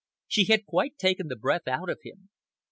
She had quite taken the breath out of him.